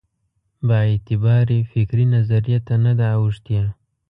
بااعتبارې فکري نظریې ته نه ده اوښتې.